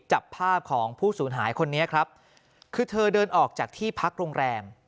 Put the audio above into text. จับภาพของผู้สูญหายคนนี้ครับคือเธอเดินออกจากที่พักโรงแรม